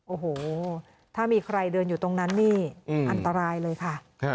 โอ้โหถ้ามีใครเดินอยู่ตรงนั้นนี่อันตรายเลยค่ะ